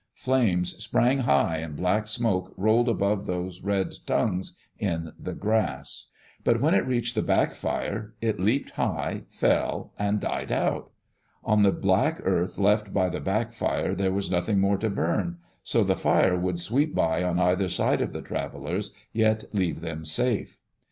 Flames sprang high and black smoke rolled above those red tongues in the grass. But when it reached the back fire, it leaped high, ^ 1 Digitized by VjOOQ LC EARLY DAYS IN OLD OREGON fell, and died out. On the black earth left by the back fire there was nothing more to burn, so the fire would sweep by on either side of the travelers, yet leave them safe.